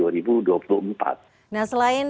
nah selain demikian pak erick thohir apa yang anda lakukan